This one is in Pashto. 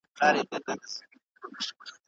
وخت به هر څه روښانه کړي.